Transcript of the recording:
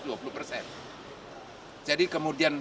jadi kemudian kalau dipertentangan